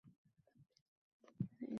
va bu mavsum chiroyli bo‘ladi.